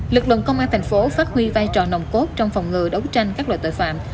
lực lượng công an thành phố phát huy vai trò nồng cốt trong phòng ngừa đấu tranh các loại tội phạm